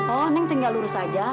oh neng tinggal lurus saja